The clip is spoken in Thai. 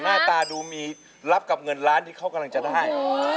หน้าตาดูมีรับกับเงินล้านที่เขากำลังจะได้